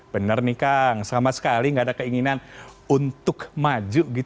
bener nih kang selamat sekali gak ada keinginan untuk maju gitu